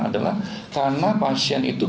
adalah karena pasien itu